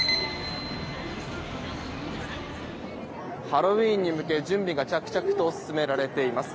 ハロウィーンに向け準備が着々と進められています。